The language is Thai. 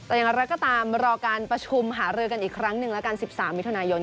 แต่อย่างนั้นเราก็ตามรอการประชุมหารือกันอีกครั้งหนึ่ง๑๓มิถุนายน